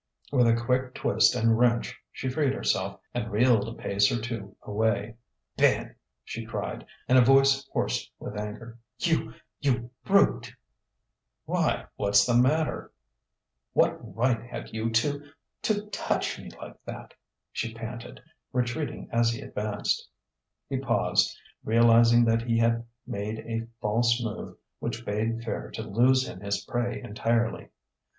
With a quick twist and wrench she freed herself and reeled a pace or two away. "Ben!" she cried, in a voice hoarse with anger. "You you brute !" "Why, what's the matter?" "What right had you to to touch me like that?" she panted, retreating as he advanced. He paused, realizing that he had made a false move which bade fair to lose him his prey entirely.